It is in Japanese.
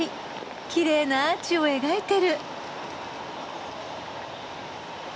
きれいなアーチを描いてる。